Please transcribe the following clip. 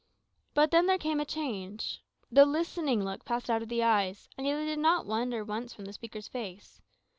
But then there came a change. The listening look passed out of the eyes; and yet they did not wander once from the speaker's face.